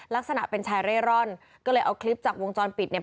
ลักษณะเป็นชายเร่ร่อนก็เลยเอาคลิปจากวงจรปิดเนี่ย